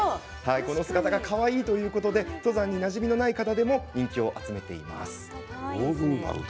この姿がかわいいと登山になじみのない観光客にも人気を集めています。